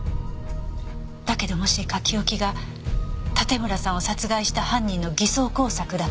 だけどもし書き置きが盾村さんを殺害した犯人の偽装工作だったとしたら。